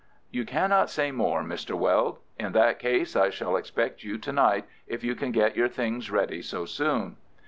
"You cannot say more, Mr. Weld. In that case I shall expect you to night, if you can get your things ready so soon."